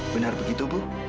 benar begitu bu